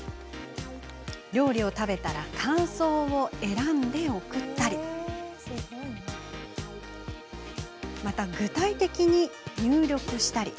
料理を食べたら感想を選んで送ったり具体的に入力したり。